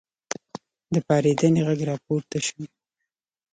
د پارېدنې غږ راپورته شو.